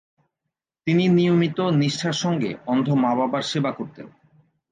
তিনি নিয়মিত নিষ্ঠার সঙ্গে অন্ধ মা-বাবার সেবা করতেন।